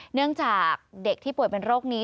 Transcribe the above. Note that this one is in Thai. เนื่องจากเด็กที่ป่วยเป็นโรคนี้